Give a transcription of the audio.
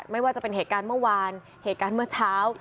ไม่ว่าจะเป็นเหตุการณ์เมื่อวานเหตุการณ์เมื่อเช้า